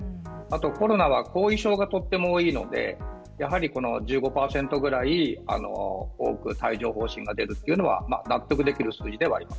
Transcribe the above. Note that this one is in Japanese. コロナは後遺症がとっても多いのでやはり１５％ぐらい多く帯状疱疹が出るというのは納得できる数字ではあります。